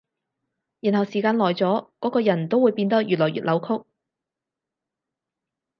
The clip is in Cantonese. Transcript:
然後時間耐咗，嗰個人都會變得越來越扭曲